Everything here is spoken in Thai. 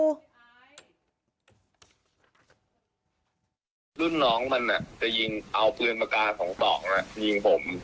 รุ่นน้องมันน่ะจะยิงเอาปืนปากกาของป๋องน่ะยิงผม